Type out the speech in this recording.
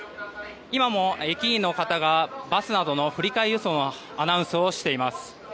今も、駅員の方がバスなどの振り替え輸送のアナウンスをしています。